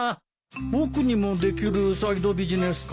僕にもできるサイドビジネスか。